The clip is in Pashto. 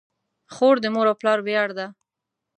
خور د مور او پلار ویاړ ده.